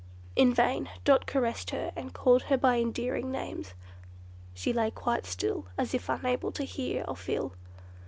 In vain Dot caressed her, and called her by endearing names; she lay quite still, as if unable to hear or feel.